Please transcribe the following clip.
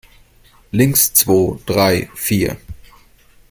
Links, zwo, drei, vier!